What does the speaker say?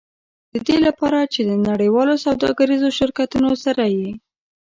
د دې لپاره چې د نړیوالو سوداګریزو شرکتونو سره یې.